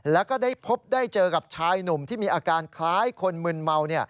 แล้วก็ได้พบได้เจอกับชายหนุ่มที่มีอาการคล้ายคนมึนเมา